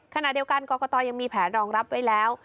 ขณะเดียวกันกรกตยังมีแผนรองรับไว้แล้ว